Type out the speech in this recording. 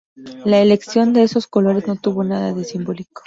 La elección de esos colores no tuvo nada de simbólico.